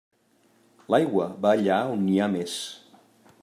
L'aigua va allà on n'hi ha més.